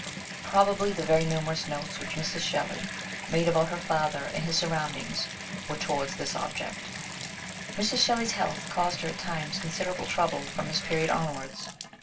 Probably the very numerous notes which Mrs. Shelley made about her father and his surround ings were towards this object. Mrs. Shelley's health caused her at times consider able trouble from this period onwards.